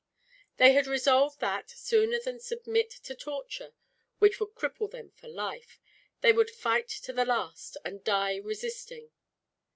They had resolved that, sooner than submit to torture, which would cripple them for life, they would fight to the last, and die resisting.